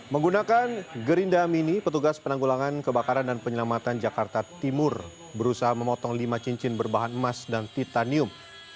menggunakan gerinda mini petugas penanggulangan kebakaran dan penyelamatan jakarta timur berusaha memotong lima cincin berbahan emas dan titanium